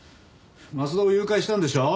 松田を誘拐したんでしょ？